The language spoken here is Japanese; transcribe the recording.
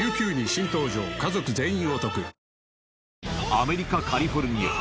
アメリカ・カリフォルニア。